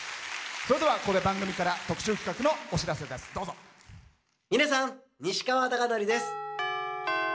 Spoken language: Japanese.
それでは、ここで番組から特集企画の皆さん、西川貴教です。